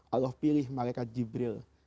allah pilih malekat jibril